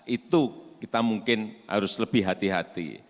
itu kita mungkin harus lebih hati hati